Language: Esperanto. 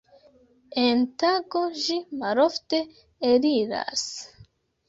En tago ĝi malofte eliras.